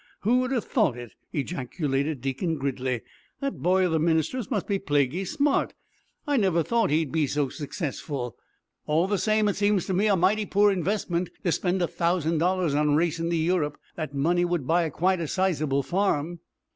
who'd have thought it?" ejaculated Deacon Gridley. "That boy of the minister's must be plaguey smart. I never thought he'd be so successful. All the same, it seems to me a mighty poor investment to spend a thousand dollars on racin' to Europe. That money would buy quite a sizable farm."